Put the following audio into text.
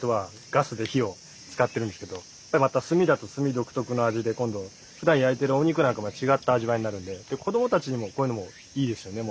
ガスで火を使ってるんですけどまた炭だと炭独特の味で今度ふだん焼いてるお肉なんかも違った味わいになるんで子どもたちにもこういうのもいいですよね